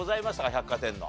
百貨店の。